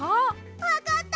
わかった！